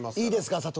いいですか？